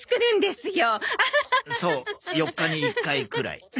そう４日に１回くらい。